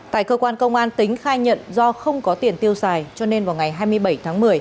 tại cơ quan công an tính khai nhận do không có tiền tiêu xài cho nên vào ngày hai mươi bảy tháng một mươi